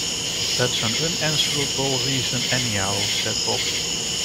‘That’s an unanswerable reason, anyhow,’ said Bob.